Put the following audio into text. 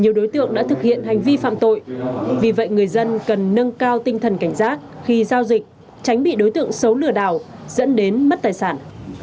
nhiều đối tượng đã thực hiện hành vi phạm tội vì vậy người dân cần nâng cao tinh thần cảnh giác khi giao dịch tránh bị đối tượng xấu lừa đảo dẫn đến mất tài sản